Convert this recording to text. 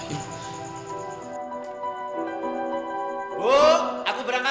tauba sajalah disini